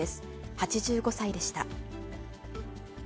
８５歳でした。